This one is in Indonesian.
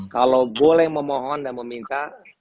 kalau boleh memohon dan meminta